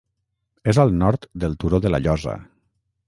És al nord del Turó de la Llosa.